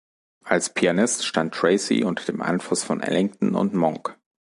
Als Pianist stand Tracey unter dem Einfluss von Ellington und Monk.